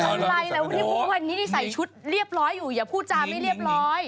เอาไรแล้ววันนี้ที่ใส่ชุดเรียบร้อยอยู่อย่าพูดจาไม่เรียบร้อย